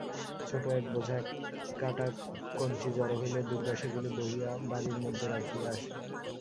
ছোট এক বোঝা কাটা কঞ্চি জড়ো হইলে দুর্গা সেগুলি বহিয়া বাড়ীর মধ্যে রাখিয়া আসে।